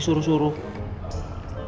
ini untuk guaran